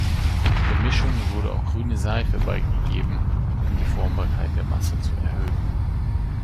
Der Mischung wurde auch grüne Seife beigegeben, um die Formbarkeit der Masse zu erhöhen.